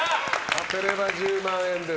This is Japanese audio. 当てれば１０万円です。